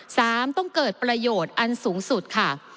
สามต้องเกิดประโยชน์อันสูงสุดค่ะ